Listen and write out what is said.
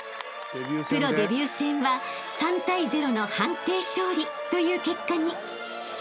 ［プロデビュー戦は３対０の判定勝利という結果に］